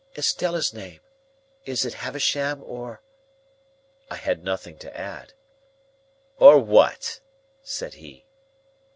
"Estella's name. Is it Havisham or—?" I had nothing to add. "Or what?" said he.